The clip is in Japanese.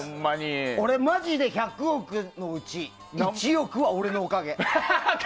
俺、マジで１００億のうち１億は俺のおかげ。